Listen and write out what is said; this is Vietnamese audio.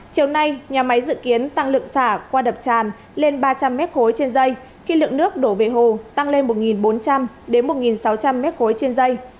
chiều nay nhà máy dự kiến tăng lượng xả qua đập tràn lên ba trăm linh m ba trên dây khi lượng nước đổ về hồ tăng lên một bốn trăm linh một sáu trăm linh m ba trên dây